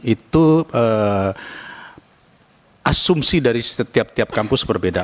itu asumsi dari setiap tiap kampus berbeda